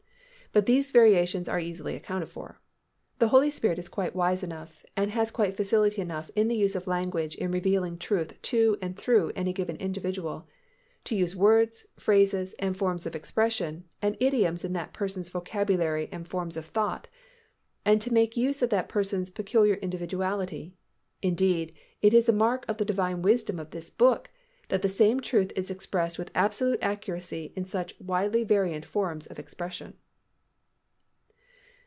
But these variations are easily accounted for. The Holy Spirit is quite wise enough and has quite facility enough in the use of language in revealing truth to and through any given individual, to use words, phrases and forms of expression and idioms in that person's vocabulary and forms of thought, and to make use of that person's peculiar individuality. Indeed, it is a mark of the Divine wisdom of this Book that the same truth is expressed with absolute accuracy in such widely variant forms of expression.